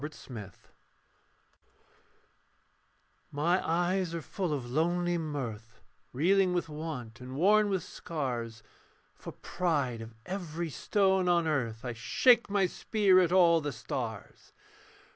THE WORLD'S LOVER My eyes are full of lonely mirth: Reeling with want and worn with scars, For pride of every stone on earth, I shake my spear at all the stars.